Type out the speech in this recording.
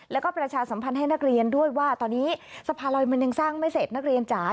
แล้วก็ประชาสัมพันธ์ให้นักเรียนด้วยว่าตอนนี้สะพานลอยมันยังสร้างไม่เสร็จนักเรียนจ๋า